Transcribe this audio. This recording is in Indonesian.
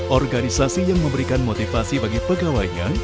organisasi yang memberikan motivasi bagi pegawainya